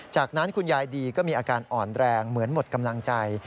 จากนั้นคุณยายดีก็มีอาการอ่อนแรงเหมือนหมดกำลังใจ